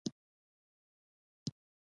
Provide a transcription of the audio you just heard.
زما تره بزگر دی.